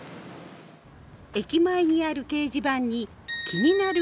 駅前にある掲示板に気になる